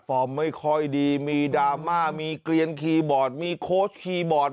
ไม่ค่อยดีมีดราม่ามีเกลียนคีย์บอร์ดมีโค้ชคีย์บอร์ด